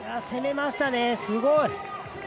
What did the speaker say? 攻めましたね、すごい！